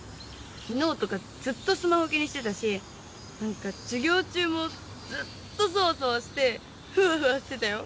昨日とかずっとスマホ気にしてたし何か授業中もずっとソワソワしてフワフワしてたよ